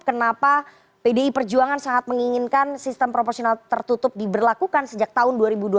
kenapa pdi perjuangan sangat menginginkan sistem proporsional tertutup diberlakukan sejak tahun dua ribu dua puluh